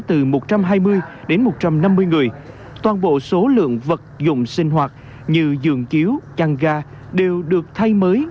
từ một trăm hai mươi đến một trăm năm mươi người toàn bộ số lượng vật dụng sinh hoạt như giường chiếu trăng ga đều được thay mới